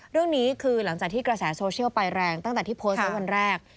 เรื่องนี้คือหลังจากที่กระแสโซเชียลไปแรงตั้งแต่ที่โพสต์ไว้วันแรก